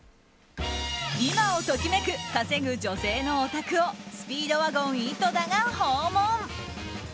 今を時めく稼ぐ女性のお宅をスピードワゴン井戸田が訪問。